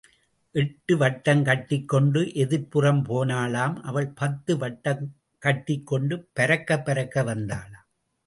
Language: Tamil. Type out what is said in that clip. எட்டு வட்டம் கட்டிக் கொண்டு எதிர்ப்புறம் போனாளாம் அவள் பத்து வட்டம் கட்டிக் கொண்டு பரக்கப் பரக்க வந்தாளாம்.